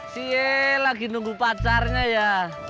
si yee lagi nunggu pacarnya ya